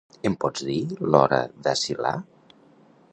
Em pots dir l'hora d'Asilah?